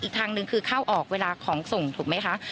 ทางหนึ่งคือเข้าออกเวลาของส่งถูกไหมคะ